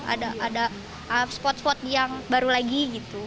ada spot spot yang baru lagi gitu